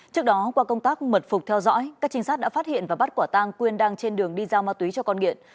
trước đó qua công tác mật phục theo dõi các trinh sát đã phát hiện và bắt quả tang quyên đang trên đường đi giao ma túy cho con nghiện